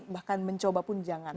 bahkan mencoba pun jangan